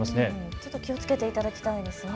ちょっと気をつけていただきたいんですね。